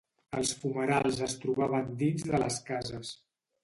Els fumerals es trobaven dins de les cases.